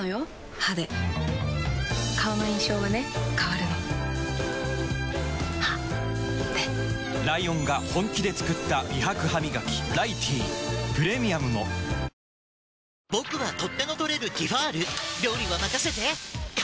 歯で顔の印象はね変わるの歯でライオンが本気で作った美白ハミガキ「ライティー」プレミアムも新幹線の進化を大調査します。